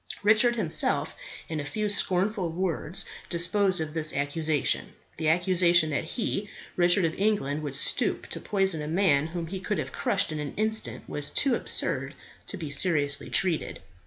Richard himself in a few scornful words disposed of this accusation. The accusation that he, Richard of England, would stoop to poison a man whom he could have crushed in an instant, was too absurd to be seriously treated.